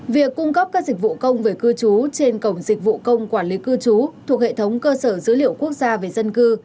việc cung cấp các dịch vụ công về cư trú trên cổng dịch vụ công quản lý cư trú thuộc hệ thống cơ sở dữ liệu quốc gia về dân cư